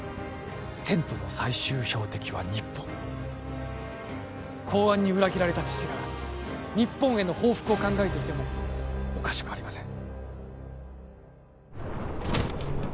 テントの最終標的は日本公安に裏切られた父が日本への報復を考えていてもおかしくありません